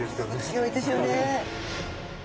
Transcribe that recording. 強いですよね。